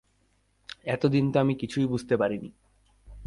এতদিন তো আমি কিছুই বুঝতে পারি নি।